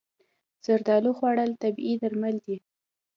زردالو خوړل طبیعي درمل دي.